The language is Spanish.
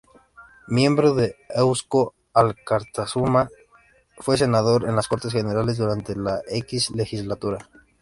Miembro de Eusko Alkartasuna, fue senador en las Cortes Generales durante la X legislatura.